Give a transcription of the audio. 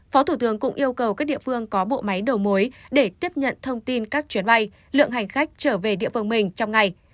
phó thủ tướng cũng yêu cầu các địa phương có bộ máy đầu mối để tiếp nhận thông tin các chuyến bay lượng hành khách trở về địa phương mình trong ngày